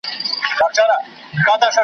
زه یم که مي نوم دی که هستي ده سره مله به یو .